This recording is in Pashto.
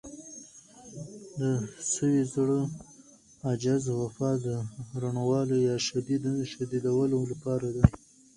د سوي زړه، عجز، وفا د رڼولو يا شديدولو لپاره دي.